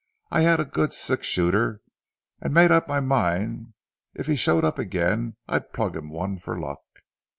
I had a good six shooter, and made up my mind if he showed up again I'd plug him one for luck.